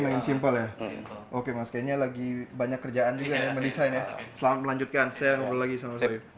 makin simple ya oke kayaknya lagi banyak kerjaan juga mendesain ya selamat melanjutkan saya ngobrol lagi sama sofie